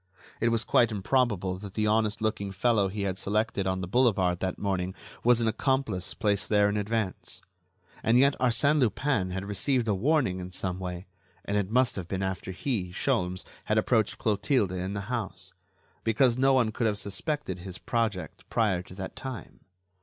It was quite improbable that the honest looking fellow he had selected on the boulevard that morning was an accomplice placed there in advance. And yet Arsène Lupin had received a warning in some way, and it must have been after he, Sholmes, had approached Clotilde in the house, because no one could have suspected his project prior to that time.